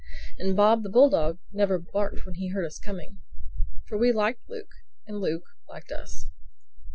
And Bob, the bulldog, never barked when he heard us coming. For we liked Luke; and Luke liked us.